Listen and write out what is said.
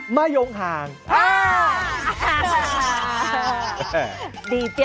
มะยงห่าง